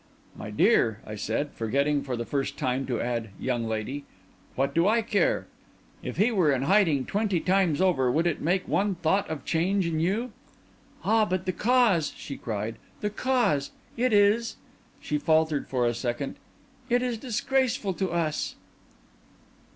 "My dear," I said, forgetting for the first time to add "young lady," "what do I care? If he were in hiding twenty times over, would it make one thought of change in you?" "Ah, but the cause!" she cried, "the cause! It is—" she faltered for a second—"it is disgraceful to us!"